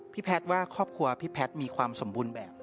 แพทย์ว่าครอบครัวพี่แพทย์มีความสมบูรณ์แบบ